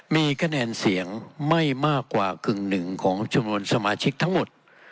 มีคะแนนเสียงไม่มากกว่ากึ่งหนึ่งของจำนวนสมาชิกทั้งหมด